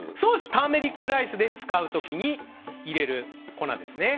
ターメリックライスで使う時に入れる粉ですね。